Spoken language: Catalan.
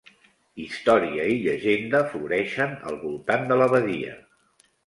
Història i llegenda floreixen al voltant de l'abadia.